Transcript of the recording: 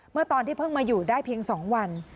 เมื่อตอนที่เพิ่งมาอยู่ได้เพียง๒วัน